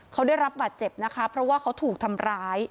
เขาได้รับบาดเจ็บนะคะเพราะว่าเขาถูกทำร้าย